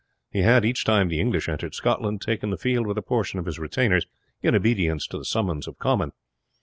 He had, each time the English entered Scotland, taken the field with a portion of his retainers, in obedience to the summons of Comyn.